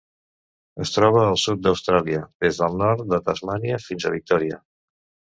Es troba al sud d'Austràlia: des del nord de Tasmània fins a Victòria.